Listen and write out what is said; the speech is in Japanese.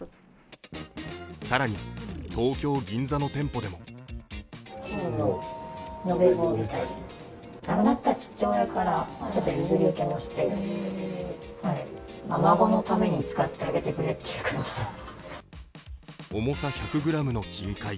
更に、東京・銀座の店舗でも重さ１００ｇの金塊。